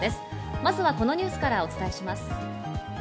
まずはこのニュースからお伝えします。